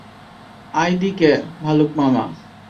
আয় দিকে, ভালুক মামা।